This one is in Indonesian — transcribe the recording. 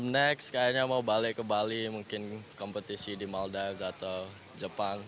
next kayaknya mau balik ke bali mungkin kompetisi di malda atau jepang